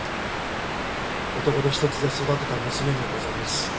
男手一つで育てた娘にございます。